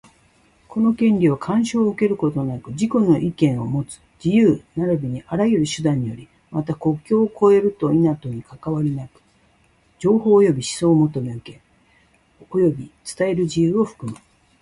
この権利は、干渉を受けることなく自己の意見をもつ自由並びにあらゆる手段により、また、国境を越えると否とにかかわりなく、情報及び思想を求め、受け、及び伝える自由を含む。